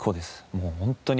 もう本当に。